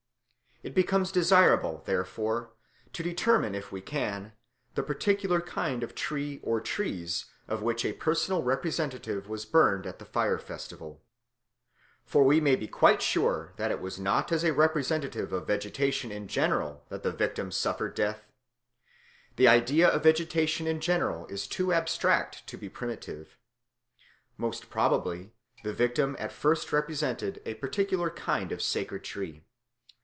It becomes desirable, therefore, to determine, if we can, the particular kind of tree or trees, of which a personal representative was burned at the fire festivals. For we may be quite sure that it was not as a representative of vegetation in general that the victim suffered death. The idea of vegetation in general is too abstract to be primitive. Most probably the victim at first represented a particular kind of sacred tree.